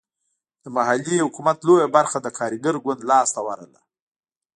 د محلي حکومت لویه برخه د کارګر ګوند لاسته ورغله.